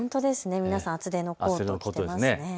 皆さん、厚手のコート着ていますね。